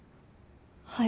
はい。